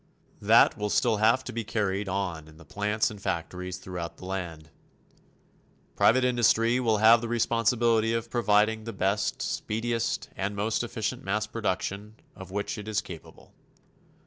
That will still have to be carried on in the plants and factories throughout the land. Private industry will have the responsibility of providing the best, speediest and most efficient mass production of which it is capable.